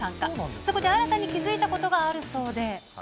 そこで新たに気付いたことがあるそうで。